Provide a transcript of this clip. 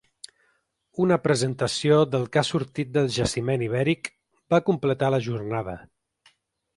Una presentació del que ha sortit del jaciment ibèric va completar la jornada.